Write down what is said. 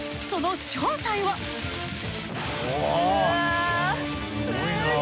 その正体は？うわ！